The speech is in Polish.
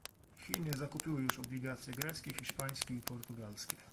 Chiny zakupiły już obligacje greckie, hiszpańskie i portugalskie